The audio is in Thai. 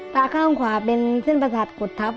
ตาข้างขวาเป็นเส้นประสาทกดทับ